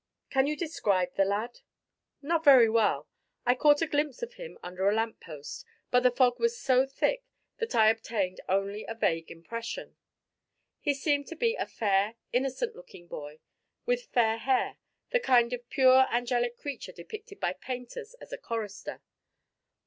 "Can you describe the lad?" "Not very well. I caught a glimpse of him under a lamp post, but the fog was so thick that I obtained only a vague impression. He seemed to be a fair, innocent looking boy with fair hair the kind of pure angelic creature depicted by painters as a chorister."